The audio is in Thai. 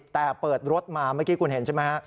แต่เปิดรถมาเมื่อกี้คุณเห็นใช่ไหมฮะ